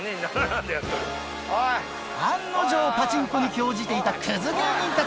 案の定パチンコに興じていた